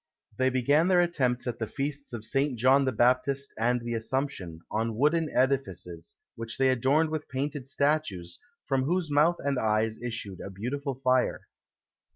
They began their attempts at the feasts of Saint John the Baptist and the Assumption, on wooden edifices, which they adorned with painted statues, from whose mouth and eyes issued a beautiful fire.